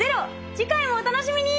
次回もお楽しみに！